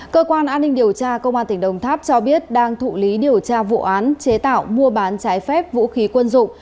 cơ quan an ninh điều tra công an tỉnh đồng tháp cho biết đang thụ lý điều tra vụ án chế tạo mua bán trái phép vũ khí quân dụng